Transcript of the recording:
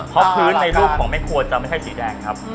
เพราะพื้นในรูปของแม่ครัวจะไม่ใช่สีแดงครับ